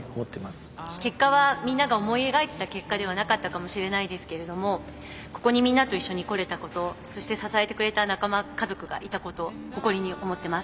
結果はみんなが思い描いてた結果ではなかったかもしれないですけれどもここにみんなと一緒に来れたことそして支えてくれた仲間家族がいたこと誇りに思ってます。